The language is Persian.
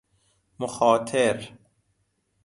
مخاطر